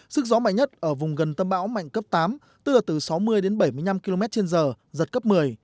sức gió mạnh nhất ở vùng gần tâm bão mạnh cấp tám tức là từ sáu mươi đến bảy mươi năm km trên giờ giật cấp một mươi